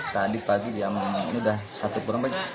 tadi pagi jam ini udah satu perumah